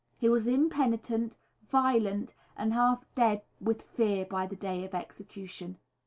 He was impenitent, violent, and half dead with fear by the day of execution.